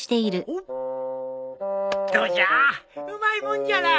うまいもんじゃろ。